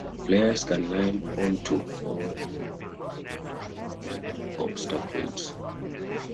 Players can climb onto or hurdle over low obstacles.